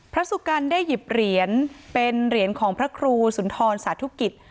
สุกัณฐ์ได้หยิบเหรียญเป็นเหรียญของพระครูสุนทรสาธุกิจ